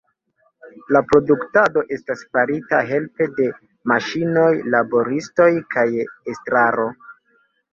La produktado estas farita helpe de maŝinoj, laboristoj kaj estraro.